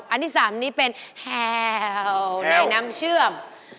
อันที่๓นี้เป็นแฮลในน้ำเชื่อม